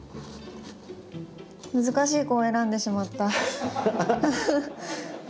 難しい子を選んでしまった。